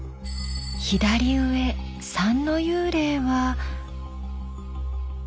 左上３の幽霊は。